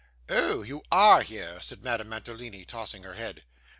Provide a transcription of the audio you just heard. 'Oh, you ARE here,' said Madame Mantalini, tossing her head.